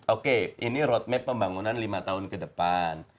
oke ini roadmap pembangunan lima tahun ke depan